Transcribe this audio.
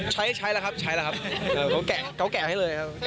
ใช้ใช้แล้วครับใช้แล้วครับเก่าแกะให้เลยครับ